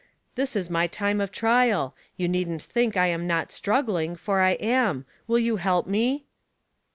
This is my time of trial. You needn't think I am not struggling, for I am. You will help me?"